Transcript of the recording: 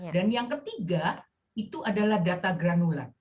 dan yang ketiga itu adalah data granular